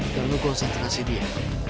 kita harus konsentrasi dia